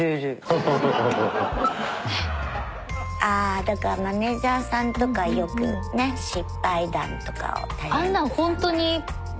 あぁだからマネジャーさんとかよくね失敗談とかをタレントさん。